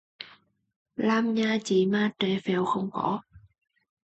Làm nhà chi mà tre pheo không có